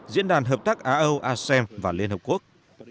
diễn đàn hợp tác aâu asem và liên hợp quốc